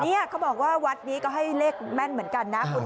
นี่เขาบอกว่าวัดนี้ก็ให้เลขแม่นเหมือนกันนะคุณ